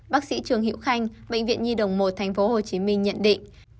bác sĩ trường hữu khanh bệnh viện nhi đồng một thành phố hồ chí minh nhận định